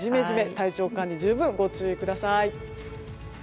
体調管理十分にご注意ください。